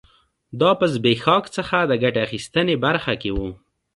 دا په زبېښاک څخه د ګټې اخیستنې برخه کې و